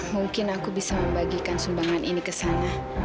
mungkin aku bisa membagikan sumbangan ini ke sana